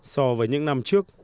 so với những năm trước